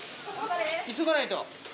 急がないと。